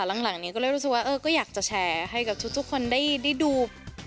หลังนี้ก็เลยรู้สึกว่าก็อยากจะแชร์ให้กับทุกคนได้ดู